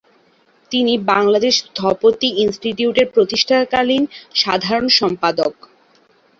তিনি বাংলাদেশ স্থপতি ইনস্টিটিউটের প্রতিষ্ঠাকালীন সাধারণ সম্পাদক।